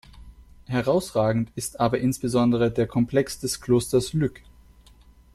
Herausragend ist aber insbesondere der Komplex des Klosters "Lluc".